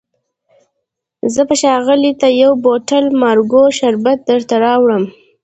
زه به ښاغلي ته یو بوتل مارګو شربت درته راوړم.